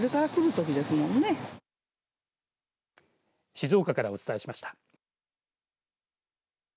静岡からお伝えしました。